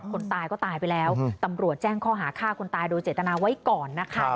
คนตายก็ตายไปแล้วตำรวจแจ้งข้อหาฆ่าคนตายโดยเจตนาไว้ก่อนนะคะ